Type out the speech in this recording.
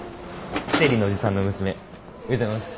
生理のおじさんの娘おはようございます。